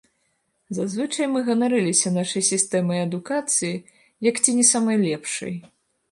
Зазвычай мы ганарыліся нашай сістэмай адукацыі як ці не самай лепшай.